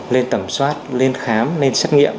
lên tầm soát lên khám lên xét nghiệm